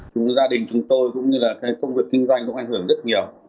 chúng gia đình chúng tôi cũng như là công việc kinh doanh cũng ảnh hưởng rất nhiều